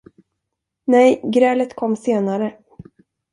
Nej, grälet kom senare.